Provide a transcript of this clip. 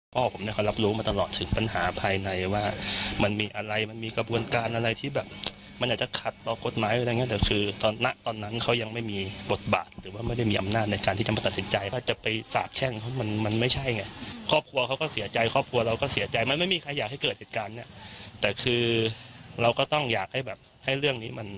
พ่อผมเนี่ยเขารับรู้มาตลอดถึงปัญหาภายในว่ามันมีอะไรมันมีกระบวนการอะไรที่แบบมันจะคัดต่อกฎหมายอะไรอย่างเงี้ยแต่คือตอนนั้นตอนนั้นเขายังไม่มีบทบาทหรือว่าไม่ได้มีอำนาจในการที่จะมาตัดสินใจว่าจะไปสาบแช่งเพราะมันมันไม่ใช่ไงครอบครัวเขาก็เสียใจครอบครัวเราก็เสียใจมันไม่มีใครอยากให้เกิดเหตุการณ์เ